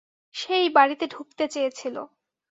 সে এই বাড়িতে ঢুকতে চেয়েছিল।